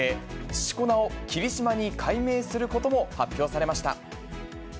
しこ名を霧島に改名することも発表されました。